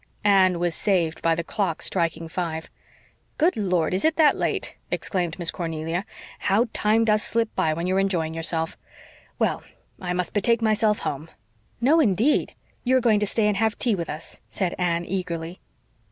Anne was saved by the clock striking five. "Lord, is it that late?" exclaimed Miss Cornelia. "How time does slip by when you're enjoying yourself! Well, I must betake myself home." "No, indeed! You are going to stay and have tea with us," said Anne eagerly.